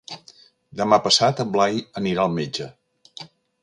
Demà passat en Blai anirà al metge.